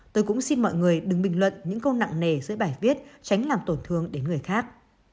tôi cũng xin mọi người đừng bình luận những câu nặng nề giữa bài viết tránh làm tổn thương đến người khác